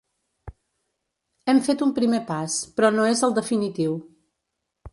Hem fet un primer pas, però no és el definitiu.